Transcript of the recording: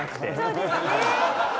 そうですね。